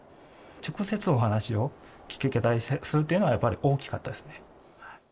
直接お話を聞けたのはやっぱり大きかったですね。